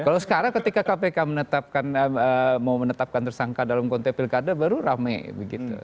kalau sekarang ketika kpk menetapkan mau menetapkan tersangka dalam konteks pilkada baru rame begitu